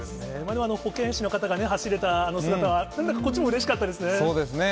でも保健師の方が走れたあの姿は、なんとなくこっちもうれしかったそうですね。